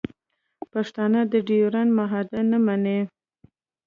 پښتانه د ډیورنډ معاهده نه مني